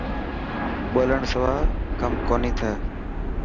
ٻولڻ سوا ڪم ڪوني ٿي.